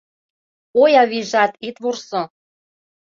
Ой, авийжат, ит вурсо